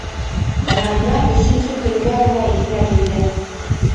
Нәғимә өсөнсө көнгә генә иҫенә килде.